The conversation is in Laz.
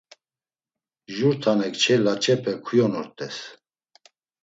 Jur tane kçe laç̌epe kuyonurt̆es.